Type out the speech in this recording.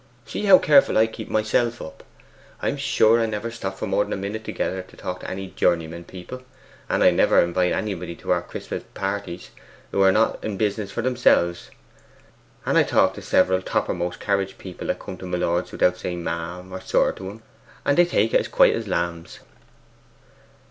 See how careful I be to keep myself up. I'm sure I never stop for more than a minute together to talk to any journeymen people; and I never invite anybody to our party o' Christmases who are not in business for themselves. And I talk to several toppermost carriage people that come to my lord's without saying ma'am or sir to 'em, and they take it as quiet as lambs.